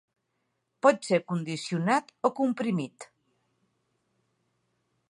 Pot ser condicionat o comprimit.